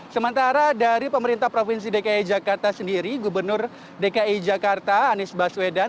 sementara dari pemerintah provinsi dki jakarta sendiri gubernur dki jakarta anies baswedan